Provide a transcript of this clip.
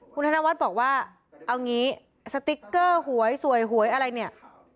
คุณธนวัฒน์บอกว่าเอางี้สติ๊กเกอร์หวยสวยหวยอะไรเนี่ย